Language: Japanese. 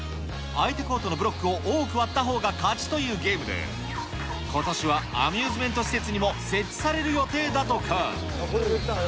相手コートのブロックを多く割ったほうが勝ちというゲームで、ことしはアミューズメント施設にも設置される予定だとか。